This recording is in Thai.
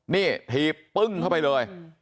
นี่ถีบปึ้งเข้าไปเลย